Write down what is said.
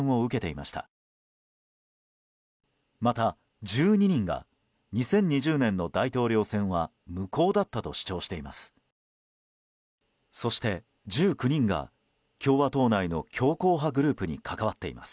また、１２人が２０２０年の大統領選は無効だったと主張しています。